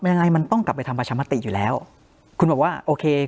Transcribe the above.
ยังไงมันต้องกลับไปทำประชามติอยู่แล้วคุณบอกว่าโอเค